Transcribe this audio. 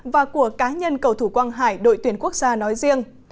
và của cá nhân cầu thủ quang hải đội tuyển quốc gia nói riêng